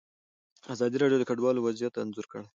ازادي راډیو د کډوال وضعیت انځور کړی.